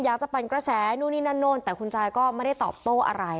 ปั่นกระแสนู่นนี่นั่นนู่นแต่คุณจายก็ไม่ได้ตอบโต้อะไร